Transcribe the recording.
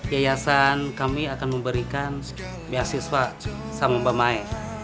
yayasan kami akan memberikan beasiswa sama mbak mai